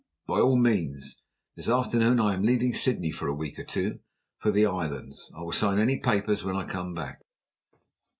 "By all means. This afternoon I am leaving Sydney, for a week or two, for the Islands. I will sign any papers when I come back."